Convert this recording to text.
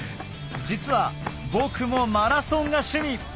実は僕もマラソンが趣味！